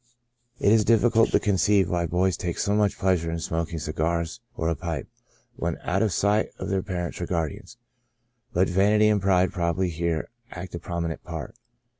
It is difficult to conceive why boys take so much pleas ure in smoking cigars or a pipe, when out of sight of their parents or guardians ; but vanity and pride probably here act a prominent part.